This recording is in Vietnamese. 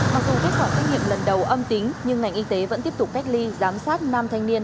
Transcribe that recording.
mặc dù kết quả xét nghiệm lần đầu âm tính nhưng ngành y tế vẫn tiếp tục cách ly giám sát nam thanh niên